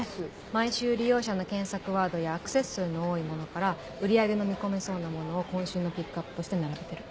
毎週利用者の検索ワードやアクセス数の多いものから売り上げの見込めそうなものを今週のピックアップとして並べてる。